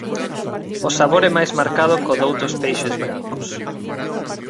O sabor é máis marcado có doutros peixes brancos.